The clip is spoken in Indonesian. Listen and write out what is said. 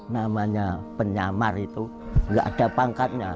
namanya penyamar itu nggak ada pangkatnya